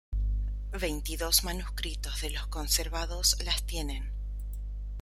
Veintidós manuscritos de los conservados las tienen.